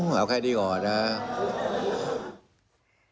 ประโยคแค่ดีกว่านะ